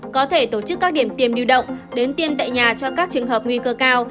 có thể tổ chức các điểm tiêm lưu động đến tiêm tại nhà cho các trường hợp nguy cơ cao